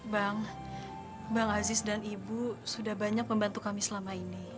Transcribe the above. bang bang aziz dan ibu sudah banyak membantu kami selama ini